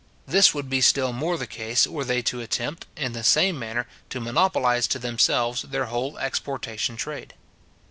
This would be still more the case, were they to attempt, in the same manner, to monopolize to themselves their whole exportation trade.